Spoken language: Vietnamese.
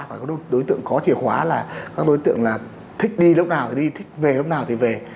và đối tượng có chìa khóa là các đối tượng là thích đi lúc nào thì đi thích về lúc nào thì về